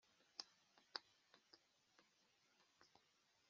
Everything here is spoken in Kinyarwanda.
arababwira ati” Ariko ntihagira n’umwe ukebuka